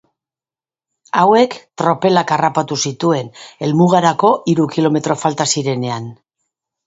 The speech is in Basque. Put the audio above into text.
Hauek tropelak harrapatu zituen helmugarako hiru kilometro falta zirenean.